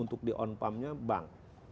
untuk di on pump nya bank